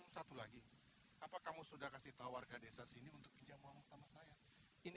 satu lagi apa kamu sudah kasih tahu warga desa sini untuk pinjam uang sama saya ini